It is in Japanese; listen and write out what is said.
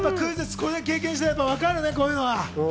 これだけ経験してるとわかるね、こういうのは。